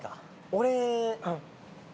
俺。